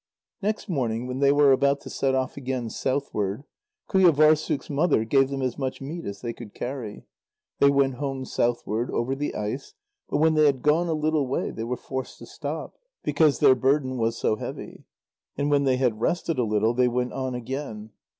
Next morning, when they were about to set off again southward, Qujâvârssuk's mother gave them as much meat as they could carry. They went home southward, over the ice, but when they had gone a little way, they were forced to stop, because their burden was so heavy. And when they had rested a little, they went on again.